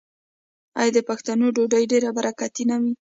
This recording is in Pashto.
آیا د پښتنو ډوډۍ ډیره برکتي نه وي؟